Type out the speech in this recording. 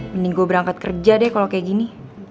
mending gue berangkat kerja deh kalau kayak gini